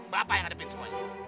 bapak yang ngadepin semuanya